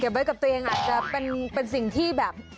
ไว้กับตัวเองอาจจะเป็นสิ่งที่แบบ